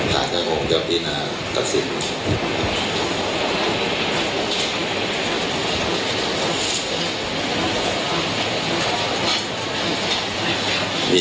ชั้นศาสตร์ของเจ้าพี่นะครับกับสิทธิ์